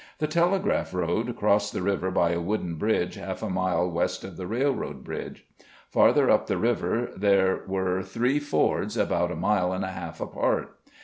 The Telegraph road crossed the river by a wooden bridge half a mile west of the raih oad bridge. Farther up the river there were three fords about a mile and a half apart.